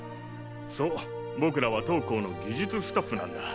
そう僕らは当行の技術スタッフなんだ。